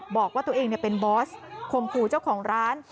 บอกว่าตัวเองเป็นบอสคมคู่เจ้าของร้าน